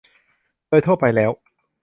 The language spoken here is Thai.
โดยทั่วไปแล้ว